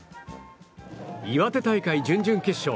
岩手大会準々決勝。